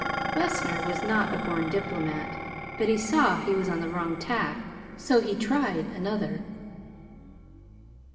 Wessner was not a born diplomat, but he saw he was on the wrong tack, so he tried another.